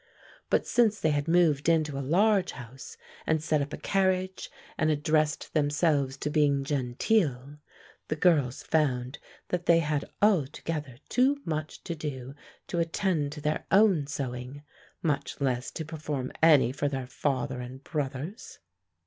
But since they had moved into a large house, and set up a carriage, and addressed themselves to being genteel, the girls found that they had altogether too much to do to attend to their own sewing, much less to perform any for their father and brothers.